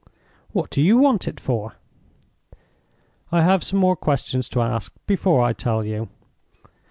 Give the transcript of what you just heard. "What do you want it for?" "I have some more questions to ask before I tell you.